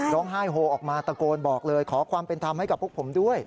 ร้องไห้โฮออกมาตะโกนบอกเลยขอความเป็นธรรมให้กับพวกผมด้วย